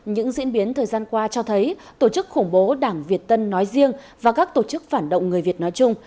những diễn biến thời gian qua cho thấy tổ chức khủng bố đảng việt tân nói riêng và các tổ chức phản động người việt nói chung